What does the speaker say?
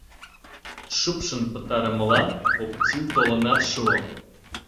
Шупшын пытарымылан Оптю толынат шуо.